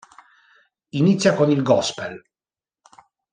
Inizia con il Gospel.